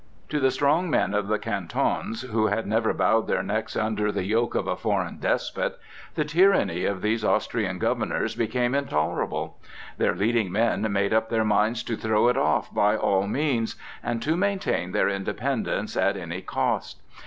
To the strong men of the Cantons, who had never bowed their necks under the yoke of a foreign despot, the tyranny of these Austrian governors became intolerable; their leading men made up their minds to throw it off by all means, and to maintain their independence at any cost.